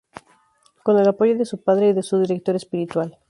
Con el apoyo de su padre y de su director espiritual.